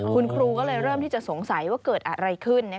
คุณครูก็เลยเริ่มที่จะสงสัยว่าเกิดอะไรขึ้น